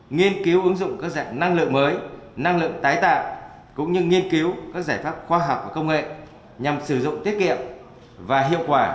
nghiên cứu ứng dụng các dạng năng lượng mới năng lượng tái tạo cũng như nghiên cứu các giải pháp khoa học và công nghệ nhằm sử dụng tiết kiệm và hiệu quả